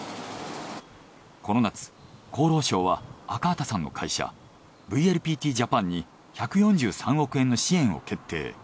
この夏厚労省は赤畑さんの会社ＶＬＰＴジャパンに１４３億円の支援を決定。